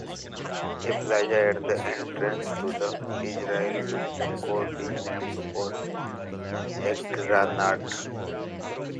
A plaza at the entrance to the Israeli Supreme Court is named for Agranat.